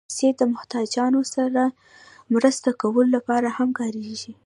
پېسې د محتاجانو سره مرسته کولو لپاره هم کارېږي.